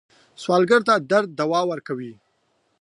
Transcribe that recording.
سوالګر ته د درد دوا ورکوئ